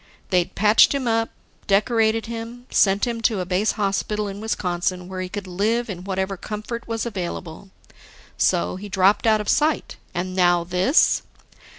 They'd patched him up, decorated him, sent him to a base hospital in Wisconsin where he could live in whatever comfort was available. So, he dropped out of sight. And now, this!